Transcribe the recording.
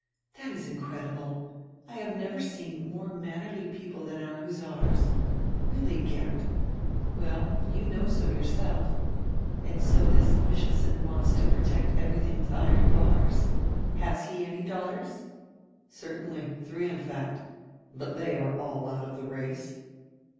"That is incredible. I have never seen more mannerly people dian our hussars. Really, Geert. Well, you know so yourself. And so this Michelsen wants to protect every thing with iron bars. Has he any daughters?" "Certainly. Three, in fact But they are all out of the race."